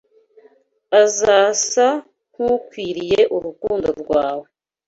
azasa nkukwiriye urukundo rwawe